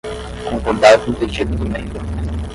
Concordar com o pedido do membro